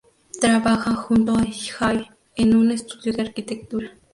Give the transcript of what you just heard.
Trabaja junto a Jay en un estudio de arquitectura.